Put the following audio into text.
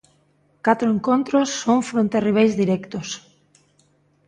Catro encontros son fronte a rivais directos.